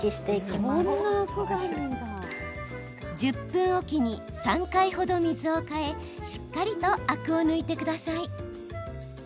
１０分おきに３回ほど水を替えしっかりとアクを抜いてください。